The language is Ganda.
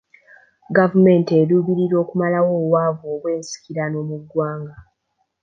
Gavumenti eruubirira okumalawo obwavu obwensikirano mu ggwanga.